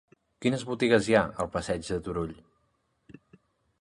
Quines botigues hi ha al passeig de Turull?